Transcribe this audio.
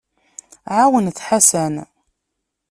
Ɛawnet Ḥasan.